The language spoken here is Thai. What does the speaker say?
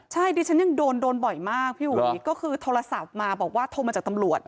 ใช่ดิฉันยังโดนโดนบ่อยมากพี่อุ๋ยก็คือโทรศัพท์มาบอกว่าโทรมาจากตำรวจ